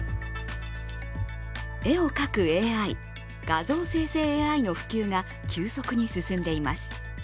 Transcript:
絵を描くＡＩ、画像生成ＡＩの普及が急速に進んでいます。